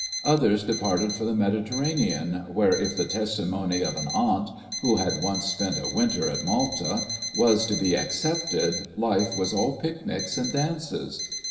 Others departed for the Mediterranean, where, if the testimony of an aunt (who had once spent a winter at Malta) was to be accepted, life was all picnics and dances.